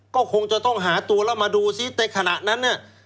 ก็คงจะต้องหาตัวแล้วมาดูซิแต่ขณะนั้น